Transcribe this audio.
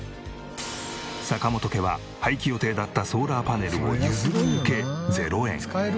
坂本家は廃棄予定だったソーラーパネルを譲り受け。